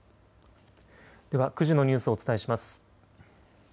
では９時のニュースをお伝えします。